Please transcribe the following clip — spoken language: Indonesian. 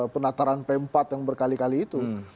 penataran pempat yang berkali kali itu